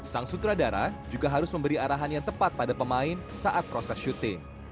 sang sutradara juga harus memberi arahan yang tepat pada pemain saat proses syuting